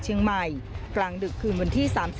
มีความรู้สึกว่า